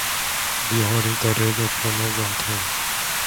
Vi har inte reda på någonting.